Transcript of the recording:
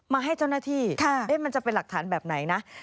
มาให้เจ้าหน้าที่มันจะเป็นหลักฐานแบบไหนนะ